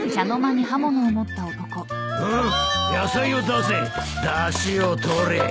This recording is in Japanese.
だしを取れ！